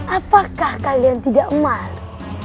apakah kalian tidak malu